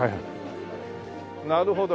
なるほど。